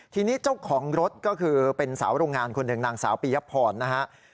ทีนี้เจ้าของรถก็คือเป็นสาวโรงงานคนหนึ่งนางสาวปียพรนะฮะ